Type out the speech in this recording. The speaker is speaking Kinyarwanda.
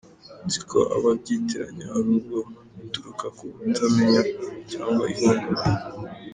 Nzi ko ababyitiranya hari ubwo bituruka ku butamenya cyangwa ihungabana.